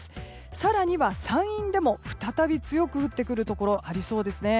更には山陰でも再び強く降ってくるところがありそうです。